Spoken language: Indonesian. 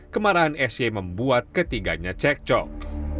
kemarahan sy membuat ketiganya cekcok